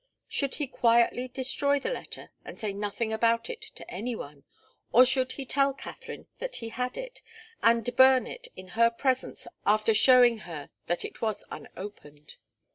Should he quietly destroy the letter and say nothing about it to any one, or should he tell Katharine that he had it, and burn it in her presence after showing her that it was unopened?